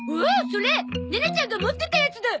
それネネちゃんが持ってたやつだ。